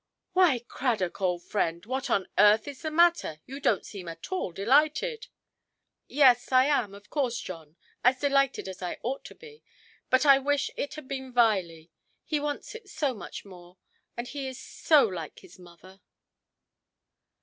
"Why, Cradock, old friend, what on earth is the matter? You donʼt seem at all delighted". "Yes, I am, of course, John; as delighted as I ought to be. But I wish it had been Viley; he wants it so much more, and he is so like his mother".